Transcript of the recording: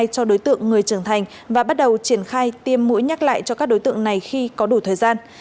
cho đối tượng người trưởng thành và bắt đầu triển khai tiêm mũi nhắc lại cho các đối tượng này khi có đủ thời gian